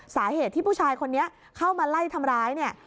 สาเหตุที่ผู้ชายคนนี้เข้ามาไล่ทำร้ายเนี่ย